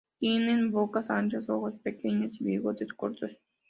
Tienen bocas anchas, ojos pequeños, y bigotes cortos.